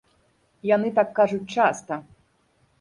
Яны так кажуць часта.